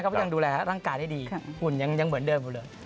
ก็ยังดูแลร่างกายให้ดีหุ่นยังเหมือนเดิม